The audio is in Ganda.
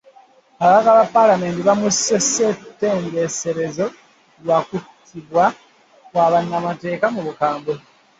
Ababaka ba Paalamenti baamuse ssetteeserezo lwa kukwatibwa kwa bannaabwe mu bukambwe.